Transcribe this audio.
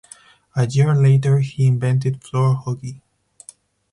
A year later, he invented floor hockey.